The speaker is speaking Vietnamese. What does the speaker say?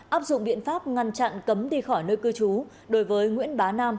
áp dụng biện pháp ngăn chặn cấm đi khỏi nơi cư trú đối với nguyễn bá nam